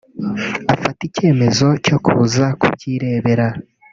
afata icyemezo cyo kuza kubyirebera